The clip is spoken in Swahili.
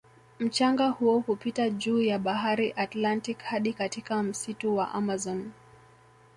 Mchanga huo hupita juu ya bahari Atlantic hadi katika msitu wa amazon